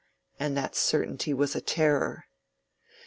And that certainty was a terror.